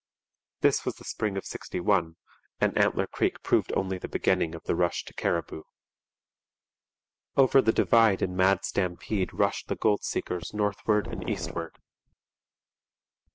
This was the spring of '61; and Antler Creek proved only the beginning of the rush to Cariboo. Over the divide in mad stampede rushed the gold seekers northward and eastward.